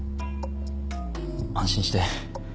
安心して。